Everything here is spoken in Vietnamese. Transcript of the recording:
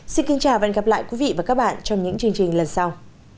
xin kính chào và hẹn gặp lại quý vị và các bạn trong những chương trình lần sau